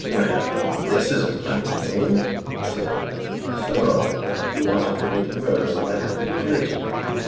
"Well, this is a funny game," he said. "So you want to commit murder on behalf of religion.